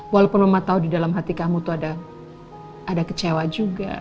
walaupun rumah tahu di dalam hati kamu tuh ada kecewa juga